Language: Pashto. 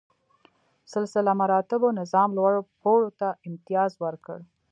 سلسله مراتبو نظام لوړ پوړو ته امتیاز ورکړ.